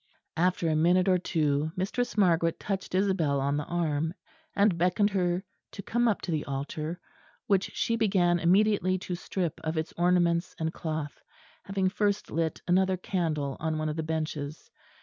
After a minute or two, Mistress Margaret touched Isabel on the arm and beckoned to her to come up to the altar, which she began immediately to strip of its ornaments and cloth, having first lit another candle on one of the benches.